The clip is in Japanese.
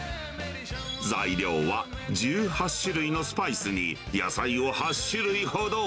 材料は１８種類のスパイスに、野菜を８種類ほど。